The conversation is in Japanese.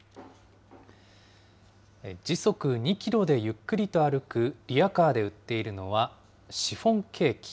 時速２キロでゆっくりと歩くリヤカーで売っているのは、シフォンケーキ。